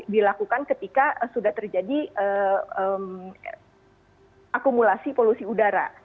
dilakukan ketika sudah terjadi akumulasi polusi udara